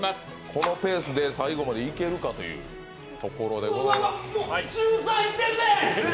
このペースで最後までいけるかというところでございますね。